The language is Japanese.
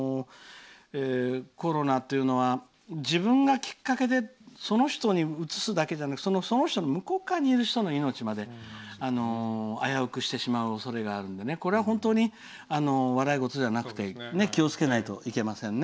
コロナというのは自分がきっかけで、その人にうつすだけじゃなくてその人の向こう側にいる人の命まで危うくしてしまう恐れがあるのでこれは本当に笑い事じゃなくて気をつけないといけませんね。